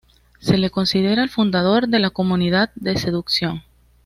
Se le considera el fundador de la comunidad de seducción.